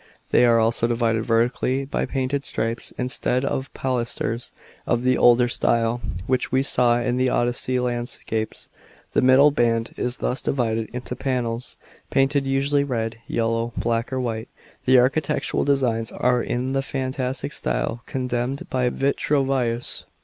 They are also divided vertically by painted stripes, instead of the pilasters of the older style, which we saw in the Odyssey landscapes. Tho middle band is thus divided into panels, painted usually red, yellow, black, or white. The architectural designs are in the fan tastic style condemned by Vitruvius.